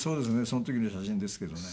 その時の写真ですけどね。